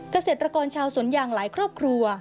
เกษตรกรชาวสวนยางหลายครอบครัว